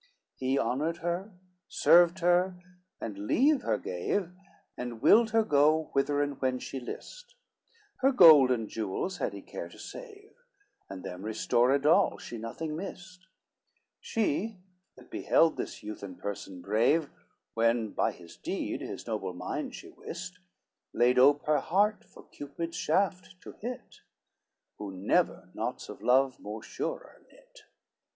LVII He honored her, served her, and leave her gave, And willed her go whither and when she list, Her gold and jewels had he care to save, And them restored all, she nothing missed, She, that beheld this youth and person brave, When, by this deed, his noble mind she wist, Laid ope her heart for Cupid's shaft to hit, Who never knots of love more surer knit.